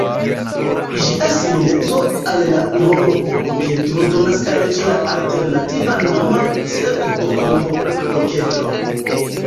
Ĝia simileco al la rombokub-okedro donas al ĝi la alternativan nomon pseŭdo-rombokub-okedro.